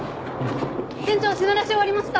店長品出し終わりました。